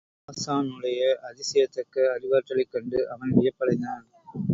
ஹாஸானுடைய அதிசயிக்கத்தக்க அறிவாற்றலைக் கண்டு அவன் வியப்படைந்தான்.